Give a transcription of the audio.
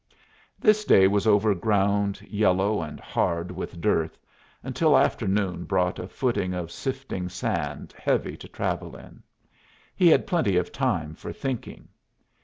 This day was over ground yellow and hard with dearth, until afternoon brought a footing of sifting sand heavy to travel in. He had plenty of time for thinking.